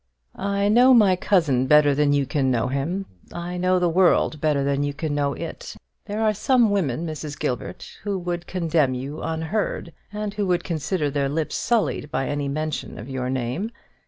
"I know my cousin better than you can know him; I know the world better than you can know it. There are some women, Mrs. Gilbert, who would condemn you unheard, and who would consider their lips sullied by any mention of your name.